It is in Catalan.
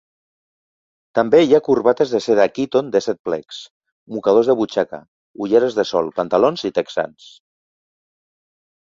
També hi ha corbates de seda Kiton de set plecs, mocadors de butxaca, ulleres de sol, pantalons i texans.